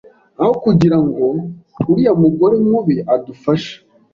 aho kugirango uriya mugore mubi adufashe